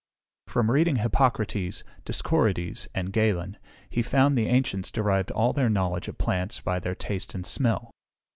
From reading Hippocrates, Discorides, and Galen, he found the ancients derived all their knowledge of plants by their taste and smell.